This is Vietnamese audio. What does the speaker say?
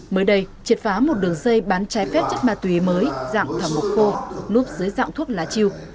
mới đây triệt phá một đường xây bán chai phép chất ma túy mới dạng thảm mục khô núp dưới dạng thuốc lá chiêu